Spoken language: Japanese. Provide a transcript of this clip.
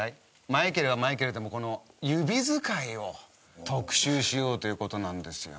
マイケルはマイケルでもこの指づかいを特集しようという事なんですよ。